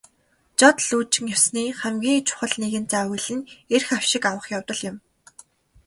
Жод лүйжин ёсны хамгийн чухал нэгэн зан үйл нь эрх авшиг авах явдал юм.